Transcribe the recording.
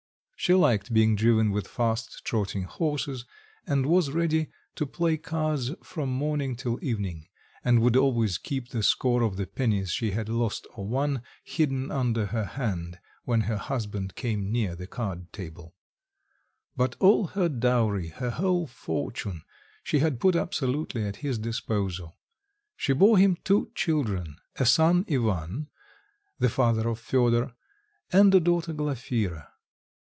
She liked being driven with fast trotting horses, and was ready to play cards from morning till evening, and would always keep the score of the pennies she had lost or won hidden under her hand when her husband came near the card table; but all her dowry, her whole fortune, she had put absolutely at his disposal. She bore him two children, a son Ivan, the father of Fedor, and a daughter Glafira.